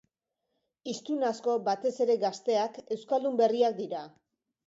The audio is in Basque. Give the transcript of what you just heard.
Hiztun asko, batez ere gazteak, euskaldun berriak dira.